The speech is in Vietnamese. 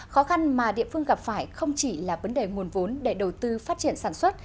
khó khăn mà địa phương gặp phải không chỉ là vấn đề nguồn vốn để đầu tư phát triển sản xuất